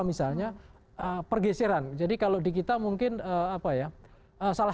misalnya pergeseran jadi kalau di kita mungkin apa ya salah